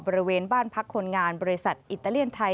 บริเวณบ้านพักคนงานบริษัทอิตาเลียนไทย